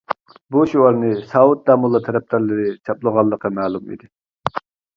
بۇ شوئارنى ساۋۇت داموللا تەرەپدارلىرى چاپلىغانلىقى مەلۇم ئىدى.